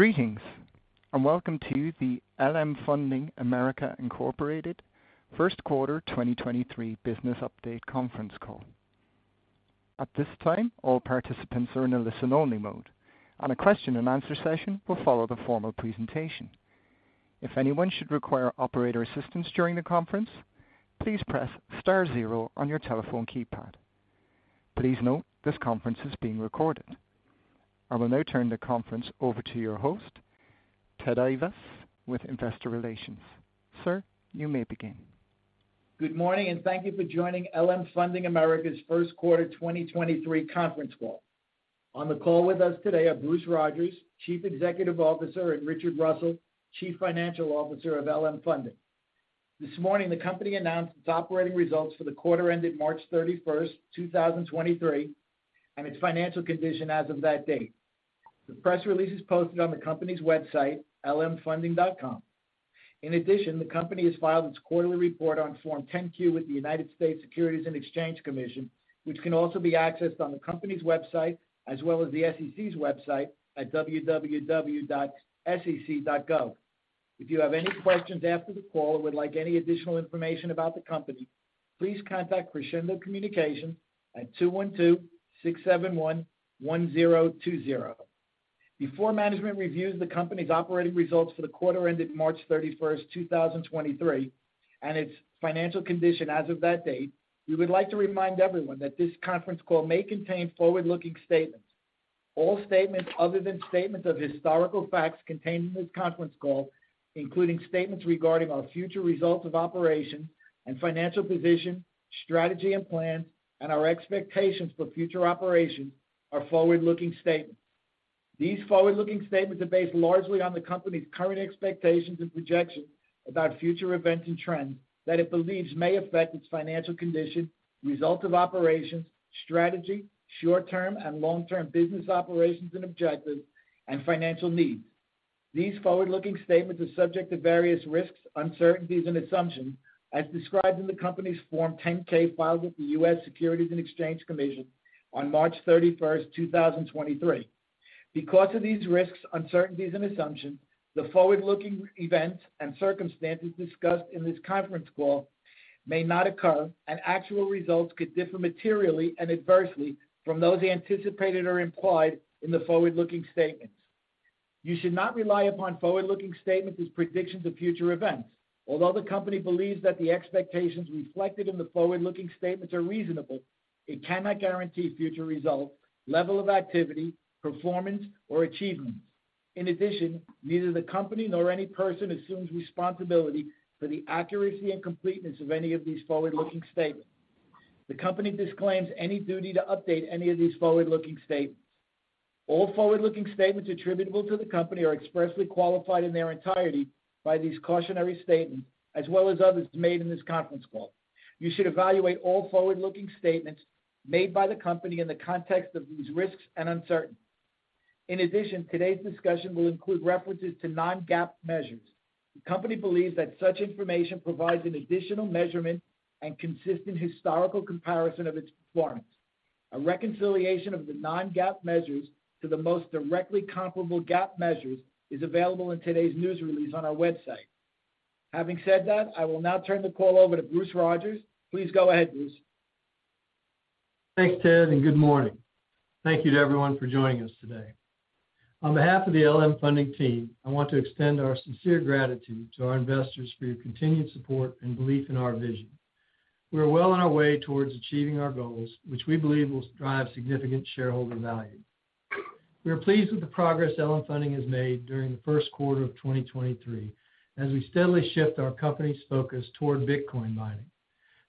Greetings, and welcome to the LM Funding America, Inc. First Quarter 2023 Business Update Conference Call. At this time, all participants are in a listen-only mode, and a question-and-answer session will follow the formal presentation. If anyone should require operator assistance during the conference, please press star zero on your telephone keypad. Please note, this conference is being recorded. I will now turn the conference over to your host, Ted Ayvas with Investor Relations. Sir, you may begin. Good morning, thank you for joining LM Funding America's First Quarter 2023 conference call. On the call with us today are Bruce Rodgers, Chief Executive Officer, and Richard Russell, Chief Financial Officer of LM Funding. This morning, the company announced its operating results for the quarter ended March 31, 2023, and its financial condition as of that date. The press release is posted on the company's website, lmfunding.com. The company has filed its quarterly report on Form 10-Q with the United States Securities and Exchange Commission, which can also be accessed on the company's website, as well as the SEC's website at www.sec.gov. If you have any questions after the call or would like any additional information about the company, please contact Crescendo Communications at 212-671-1020. Before management reviews the company's operating results for the quarter ended March 31st, 2023, and its financial condition as of that date, we would like to remind everyone that this conference call may contain forward-looking statements. All statements other than statements of historical facts contained in this conference call, including statements regarding our future results of operations and financial position, strategy and plans, and our expectations for future operations are forward-looking statements. These forward-looking statements are based largely on the company's current expectations and projections about future events and trends that it believes may affect its financial condition, results of operations, strategy, short-term and long-term business operations and objectives, and financial needs. These forward-looking statements are subject to various risks, uncertainties and assumptions as described in the company's Form 10-K filed with the U.S. Securities and Exchange Commission on March 31st, 2023. Because of these risks, uncertainties and assumptions, the forward-looking events and circumstances discussed in this conference call may not occur, and actual results could differ materially and adversely from those anticipated or implied in the forward-looking statements. You should not rely upon forward-looking statements as predictions of future events. Although the company believes that the expectations reflected in the forward-looking statements are reasonable, it cannot guarantee future results, level of activity, performance, or achievement. In addition, neither the company nor any person assumes responsibility for the accuracy and completeness of any of these forward-looking statements. The company disclaims any duty to update any of these forward-looking statements. All forward-looking statements attributable to the company are expressly qualified in their entirety by these cautionary statements, as well as others made in this conference call. You should evaluate all forward-looking statements made by the company in the context of these risks and uncertainties. In addition, today's discussion will include references to non-GAAP measures. The company believes that such information provides an additional measurement and consistent historical comparison of its performance. A reconciliation of the non-GAAP measures to the most directly comparable GAAP measures is available in today's news release on our website. Having said that, I will now turn the call over to Bruce Rodgers. Please go ahead, Bruce. Thanks, Ted. Good morning. Thank you to everyone for joining us today. On behalf of the LM Funding team, I want to extend our sincere gratitude to our investors for your continued support and belief in our vision. We are well on our way towards achieving our goals, which we believe will drive significant shareholder value. We are pleased with the progress LM Funding has made during the first quarter of 2023 as we steadily shift our company's focus toward Bitcoin mining.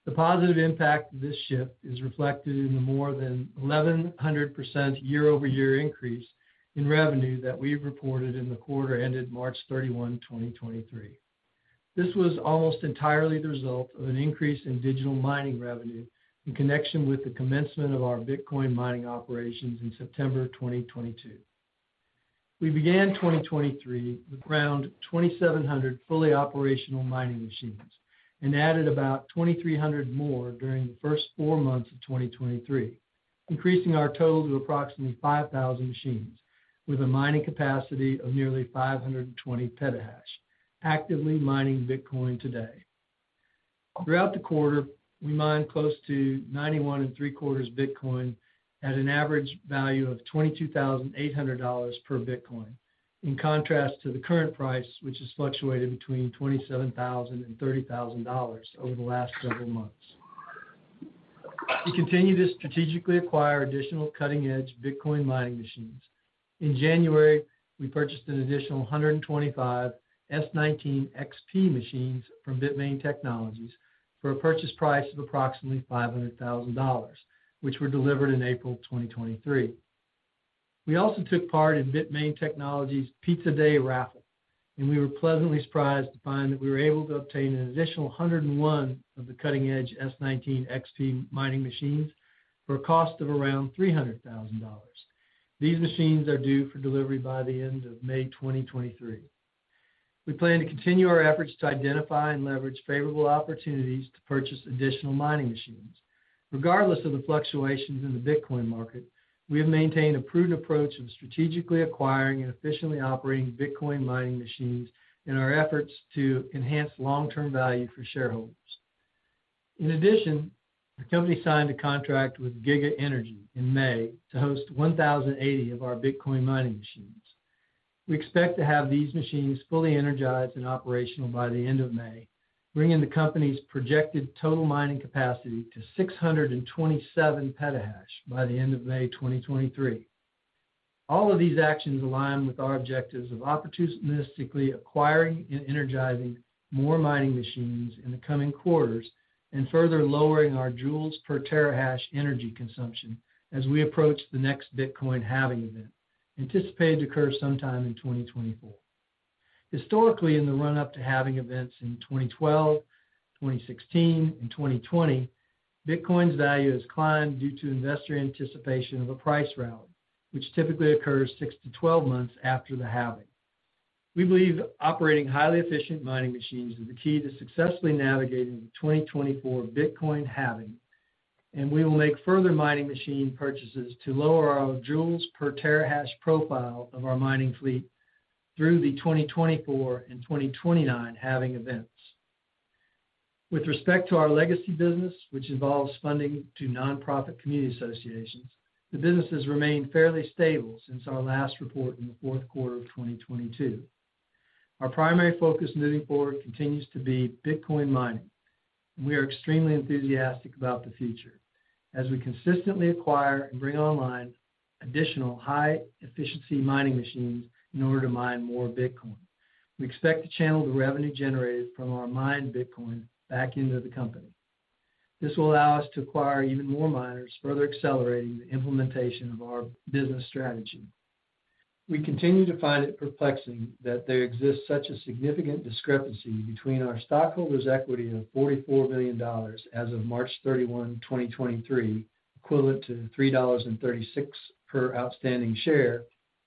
The positive impact of this shift is reflected in the more than 1,100% year-over-year increase in revenue that we've reported in the quarter ended March 31, 2023. This was almost entirely the result of an increase in digital mining revenue in connection with the commencement of our Bitcoin mining operations in September of 2022. We began 2023 with around 2,700 fully operational mining machines and added about 2,300 more during the first four months of 2023, increasing our total to approximately 5,000 machines with a mining capacity of nearly 520 petahash, actively mining Bitcoin today. Throughout the quarter, we mined close to 91 and three quarters Bitcoin at an average value of $22,800 per Bitcoin, in contrast to the current price, which has fluctuated between $27,000 and $30,000 over the last several months. We continue to strategically acquire additional cutting-edge Bitcoin mining machines. In January, we purchased an additional 125 S19 XP machines from Bitmain Technologies for a purchase price of approximately $500,000, which were delivered in April 2023. We also took part in Bitmain Technologies' Pizza Day raffle, and we were pleasantly surprised to find that we were able to obtain an additional 101 of the cutting-edge S19 XP mining machines for a cost of around $300,000. These machines are due for delivery by the end of May 2023. We plan to continue our efforts to identify and leverage favorable opportunities to purchase additional mining machines. Regardless of the fluctuations in the Bitcoin market, we have maintained a prudent approach of strategically acquiring and efficiently operating Bitcoin mining machines in our efforts to enhance long-term value for shareholders. In addition, the company signed a contract with Giga Energy in May to host 1,080 of our Bitcoin mining machines. We expect to have these machines fully energized and operational by the end of May, bringing the company's projected total mining capacity to 627 petahash by the end of May 2023. All of these actions align with our objectives of opportunistically acquiring and energizing more mining machines in the coming quarters and further lowering our joules per terahash energy consumption as we approach the next Bitcoin halving event, anticipated to occur sometime in 2024. Historically, in the run-up to halving events in 2012, 2016, and 2020, Bitcoin's value has climbed due to investor anticipation of a price rally, which typically occurs 6-12 months after the halving. We believe operating highly efficient mining machines is the key to successfully navigating the 2024 Bitcoin halving, and we will make further mining machine purchases to lower our joules per terahash profile of our mining fleet through the 2024 and 2029 halving events. With respect to our legacy business, which involves funding to nonprofit community associations, the business has remained fairly stable since our last report in the fourth quarter of 2022. Our primary focus moving forward continues to be Bitcoin mining. We are extremely enthusiastic about the future as we consistently acquire and bring online additional high-efficiency mining machines in order to mine more Bitcoin. We expect to channel the revenue generated from our mined Bitcoin back into the company. This will allow us to acquire even more miners, further accelerating the implementation of our business strategy. We continue to find it perplexing that there exists such a significant discrepancy between our stockholders' equity of $44 million as of March 31, 2023, equivalent to $3.36 per outstanding share,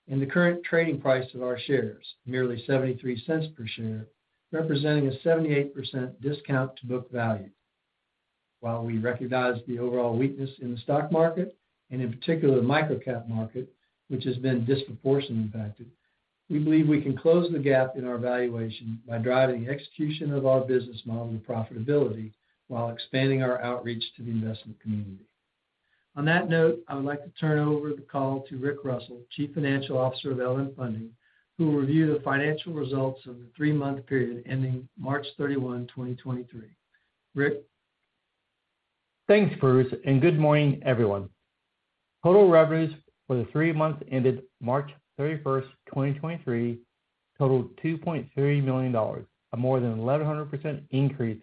and the current trading price of our shares, merely $0.73 per share, representing a 78% discount to book value. While we recognize the overall weakness in the stock market, and in particular the micro-cap market, which has been disproportionately impacted, we believe we can close the gap in our valuation by driving execution of our business model and profitability while expanding our outreach to the investment community. On that note, I would like to turn over the call to Rick Russell, Chief Financial Officer of LM Funding, who will review the financial results of the three-month period ending March 31, 2023. Rick. Thanks, Bruce, and good morning, everyone. Total revenues for the three months ended March 31st, 2023, totaled $2.3 million, a more than 1,100% increase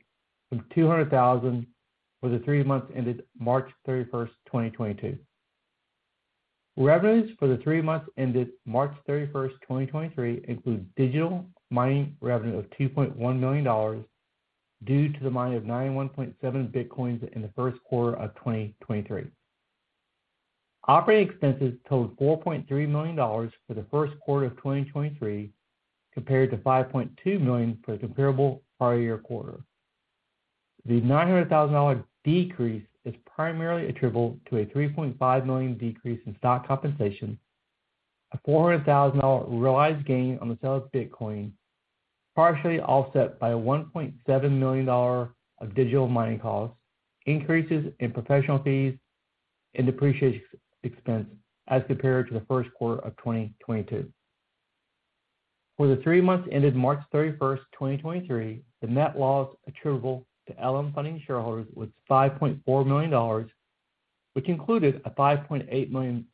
from $200,000 for the three months ended March 31st, 2022. Revenues for the three months ended March 31st, 2023, include digital mining revenue of $2.1 million due to the mining of 91.7 Bitcoins in the 1st quarter of 2023. Operating expenses totaled $4.3 million for the 1st quarter of 2023, compared to $5.2 million for the comparable prior year quarter. The $900,000 decrease is primarily attributable to a $3.5 million decrease in stock compensation, a $400,000 realized gain on the sale of Bitcoin, partially offset by $1.7 million of digital mining costs, increases in professional fees, and depreciation expense as compared to the first quarter of 2022. For the three months ended March 31st, 2023, the net loss attributable to LM Funding shareholders was $5.4 million, which included a $5.8 million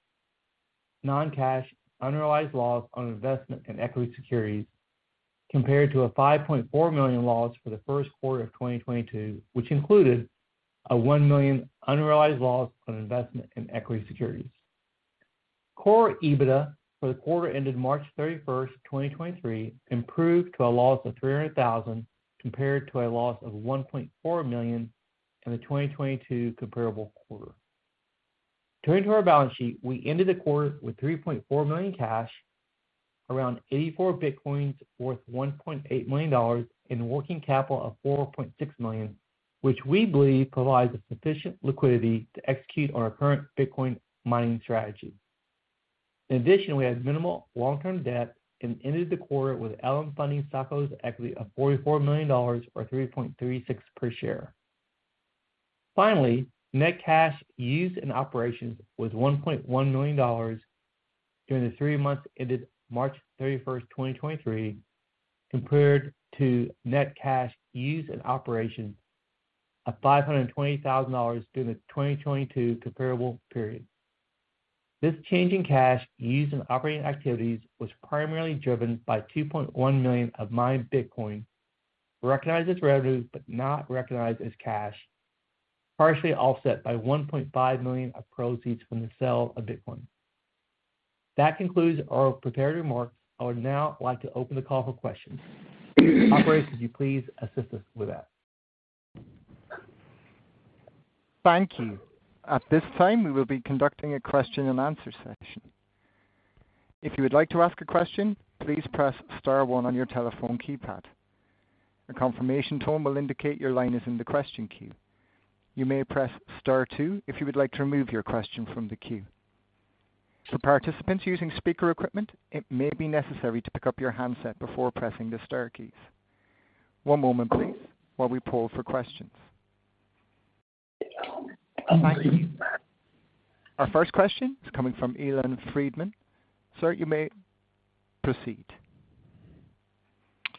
non-cash unrealized loss on investment in equity securities, compared to a $5.4 million loss for the first quarter of 2022, which included a $1 million unrealized loss on investment in equity securities. Core EBITDA for the quarter ended March 31st, 2023, improved to a loss of $300,000, compared to a loss of $1.4 million in the 2022 comparable quarter. Turning to our balance sheet, we ended the quarter with $3.4 million cash, around 84 Bitcoins worth $1.8 million, and a working capital of $4.6 million, which we believe provides us sufficient liquidity to execute on our current Bitcoin mining strategy. We had minimal long-term debt and ended the quarter with LM Funding stockholders' equity of $44 million, or 3.36 per share. Net cash used in operations was $1.1 million during the three months ended March 31st, 2023, compared to net cash used in operation of $520,000 during the 2022 comparable period. This change in cash used in operating activities was primarily driven by $2.1 million of mined Bitcoin, recognized as revenue but not recognized as cash, partially offset by $1.5 million of proceeds from the sale of Bitcoin. That concludes our prepared remarks. I would now like to open the call for questions. Operator, could you please assist us with that? Thank you. At this time, we will be conducting a question-and-answer session. If you would like to ask a question, please press star one on your telephone keypad. A confirmation tone will indicate your line is in the question queue. You may press star two if you would like to remove your question from the queue. For participants using speaker equipment, it may be necessary to pick up your handset before pressing the star keys. One moment please, while we poll for questions. Our first question is coming from Elon Friedman. Sir, you may proceed.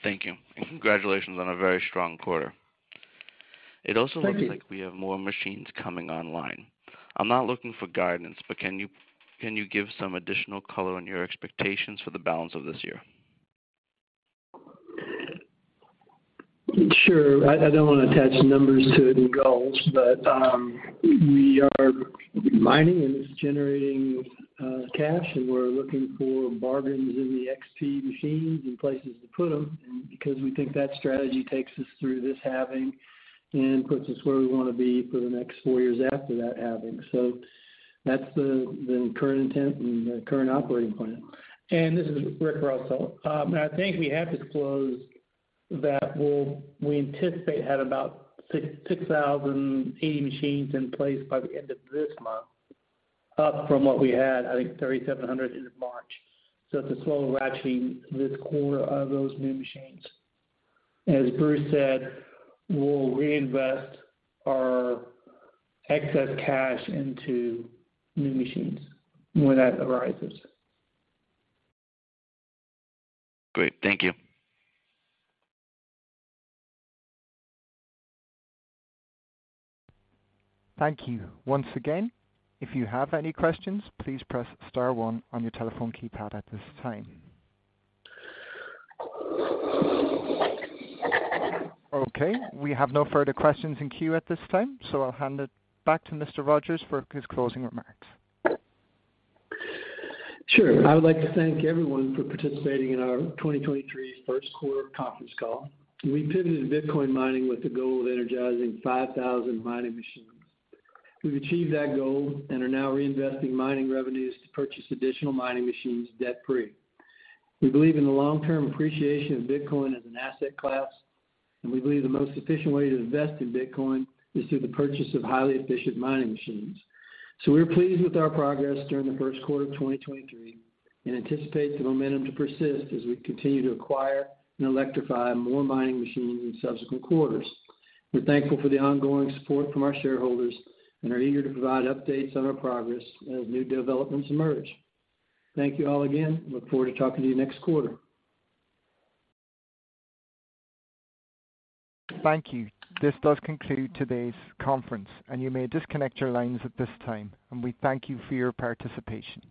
Thank you, and congratulations on a very strong quarter. Thank you. It also looks like we have more machines coming online. I'm not looking for guidance, can you give some additional color on your expectations for the balance of this year? Sure. I don't wanna attach numbers to it and goals, but we are mining, and it's generating cash, and we're looking for bargains in the XP machines and places to put them because we think that strategy takes us through this halving and puts us where we wanna be for the next four years after that halving. That's the current intent and the current operating plan. This is Rick Russell. I think we have disclosed that we anticipate at about 6,080 machines in place by the end of this month, up from what we had, I think 3,700 in March. It's a slow ratcheting this quarter of those new machines. As Bruce said, we'll reinvest our excess cash into new machines when that arises. Great. Thank you. Thank you. Once again, if you have any questions, please press star one on your telephone keypad at this time. We have no further questions in queue at this time, so I'll hand it back to Mr. Rodgers for his closing remarks. Sure. I would like to thank everyone for participating in our 2023 first quarter conference call. We pivoted to Bitcoin mining with the goal of energizing 5,000 mining machines. We've achieved that goal and are now reinvesting mining revenues to purchase additional mining machines debt-free. We believe in the long-term appreciation of Bitcoin as an asset class, and we believe the most efficient way to invest in Bitcoin is through the purchase of highly efficient mining machines. We're pleased with our progress during the first quarter of 2023 and anticipate the momentum to persist as we continue to acquire and electrify more mining machines in subsequent quarters. We're thankful for the ongoing support from our shareholders and are eager to provide updates on our progress as new developments emerge. Thank you all again. Look forward to talking to you next quarter. Thank you. This does conclude today's conference, and you may disconnect your lines at this time. We thank you for your participation.